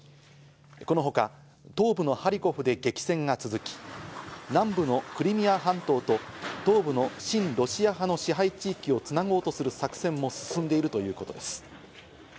このほか東部のハリコフで激戦が続き、南部のクリミア半島と東部の親ロシア派の支配地域をつなごうとする作戦も進んでいるということです。